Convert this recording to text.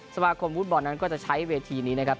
สมาคมฟุตบอลนั้นก็จะใช้เวทีนี้นะครับ